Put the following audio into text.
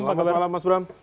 selamat malam mas bram